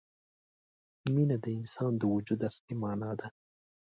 مینه د انسان د وجود اصلي معنا ده.